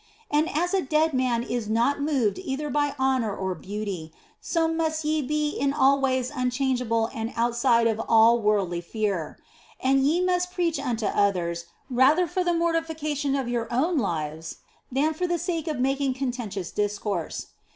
And as a dead man is not moved either by honour or beauty, so must ye be in all ways un changeable and outside of all worldly fear ; and ye must preach unto others rather for the mortification of your own lives than for the sake of making contentious dis course.